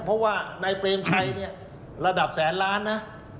เพราะว่าในเบรมชัยระดับแสนล้านนะ